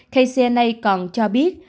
kcna còn cho biết